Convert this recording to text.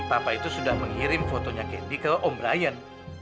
papa itu sudah mengirim fotonya kendi ke om brian